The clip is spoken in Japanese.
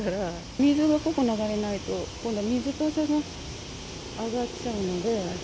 水がここ流れないと、今度は水かさが上がっちゃうので。